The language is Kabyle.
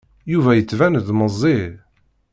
Yuba yettban-d meẓẓiy.